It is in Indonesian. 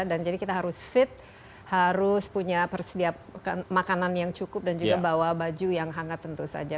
dan jadi kita harus fit harus punya persediaan makanan yang cukup dan juga bawa baju yang hangat tentu saja